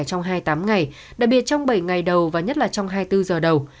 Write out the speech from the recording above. trong hai mươi tám ngày đặc biệt trong bảy ngày đầu và nhất là trong hai mươi bốn giờ đầu